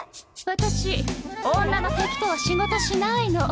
私女の敵とは仕事しないの。